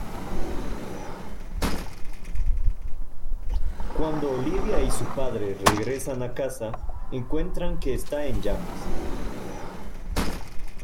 Cuando Olivia y su padre regresan a casa, encuentran que está en llamas.